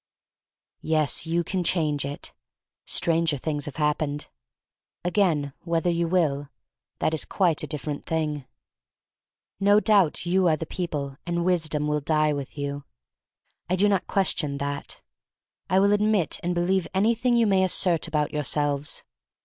Yes, you can change it. Stranger things have happened. Again, whether you will — that is a quite different thing. No doubt you are the people and wis dom will die with you. I do not ques tion that. I will admit and believe anything you may assert about your selves.